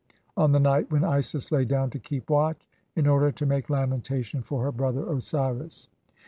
on the (4) night when Isis "lay down to keep watch in order to make lamentation for her "brother Osiris."